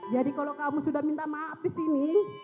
jadi kalau kamu sudah minta maaf disini